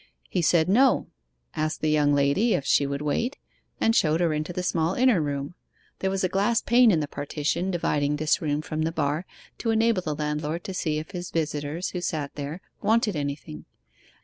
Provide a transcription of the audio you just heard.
He said no; asked the young lady if she would wait, and showed her into the small inner room. There was a glass pane in the partition dividing this room from the bar to enable the landlord to see if his visitors, who sat there, wanted anything.